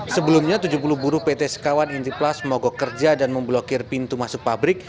sebelumnya tujuh puluh buruh pt sekawan intiplas mogok kerja dan memblokir pintu masuk pabrik